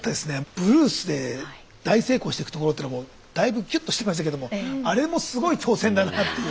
ブルースで大成功してくところってのもだいぶキュッとしてましたけどもあれもすごい挑戦だなっていう。